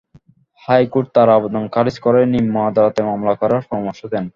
High court তাঁর আবেদন খারিজ করে নিম্ন আদালতে মামলা করার পরামর্শ দেন।